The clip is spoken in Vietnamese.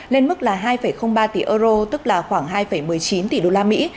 lên mức là hai ba tỷ euro tức là khoảng hai một mươi chín tỷ đô la mỹ